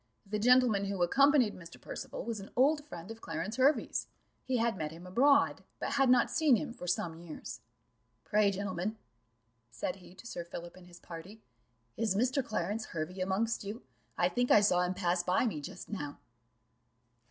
The gentleman who accompanied Mr. Percival was an old friend of Clarence Hervey's; he had met him abroad, but had not seen him for some years. "Pray, gentlemen," said he to Sir Philip and his party, "is Mr. Clarence Hervey amongst you? I think I saw him pass by me just now."